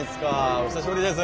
お久しぶりです。